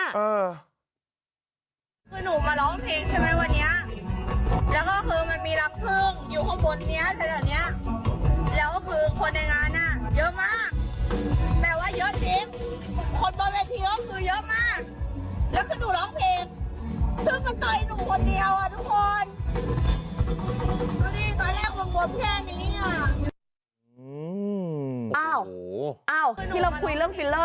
คือหนูมาร้องเทคใช่ไหมวันนี้